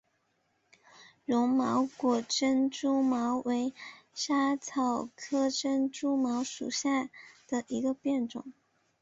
柔毛果珍珠茅为莎草科珍珠茅属下的一个变种。